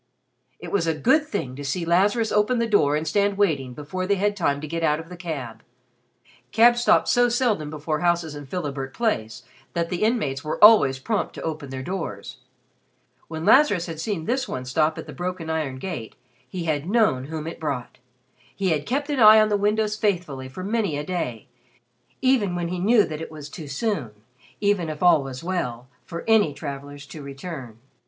It was a good thing to see Lazarus open the door and stand waiting before they had time to get out of the cab. Cabs stopped so seldom before houses in Philibert Place that the inmates were always prompt to open their doors. When Lazarus had seen this one stop at the broken iron gate, he had known whom it brought. He had kept an eye on the windows faithfully for many a day even when he knew that it was too soon, even if all was well, for any travelers to return.